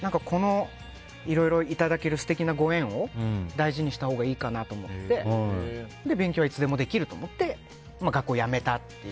いろいろいただける素敵なご縁を大事にしたほうがいいかなと思って勉強はいつでもできると思って学校を辞めたという。